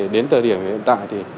đến thời điểm hiện tại thì